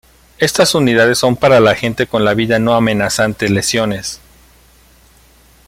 Estas unidades son para la gente con la vida no amenazante lesiones.